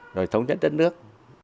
rồi thống nhất đất nước